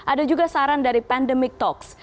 ada juga saran dari pandemic talks